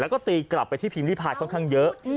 แล้วก็ตีกลับไปที่พิมพ์ริพายค่อนข้างเยอะ